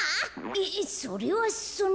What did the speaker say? えっそれはその。